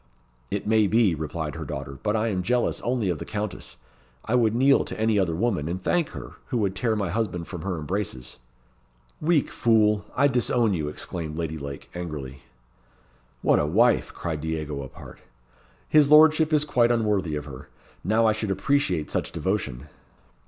"It may be," replied her daughter, "but I am jealous only of the Countess. I would kneel to any other woman, and thank her, who would tear my husband from her embraces!" "Weak fool! I disown you," exclaimed Lady Lake, angrily. "What a wife!" cried Diego, apart. "His lordship is quite unworthy of her. Now I should appreciate such devotion."